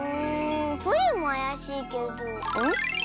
プリンもあやしいけどん？